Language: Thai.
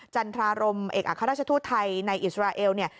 จันทรารมเอกอัครราชทูตไทยในอิสราเอลเนี่ย